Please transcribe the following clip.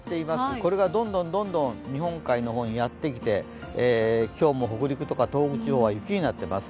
これがとんどん日本海かの方にやってきて、今日も北陸や東北地方は雪になっています。